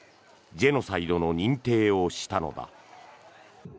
ジェノサイドの認定をしたのだ。